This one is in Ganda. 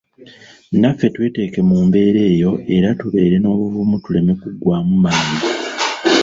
Naffe tweteeke mu mbeera eyo era tubeere n'obuvumu tuleme kuggwaamu maanyi.